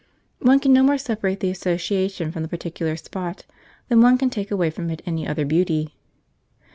One can no more separate the association from the particular spot than one can take away from it any other beauty.